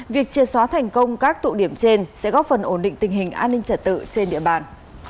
việc chia xóa thành công các tụ điểm trên sẽ góp phần ổn định tình hình an ninh trật tự trên địa bàn